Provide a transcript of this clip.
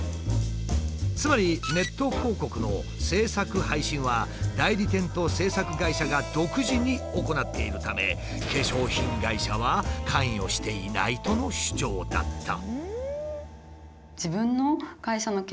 つまりネット広告の制作・配信は代理店と制作会社が独自に行っているため化粧品会社は関与していないとの主張だった。